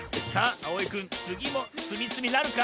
あおいくんつぎもつみつみなるか？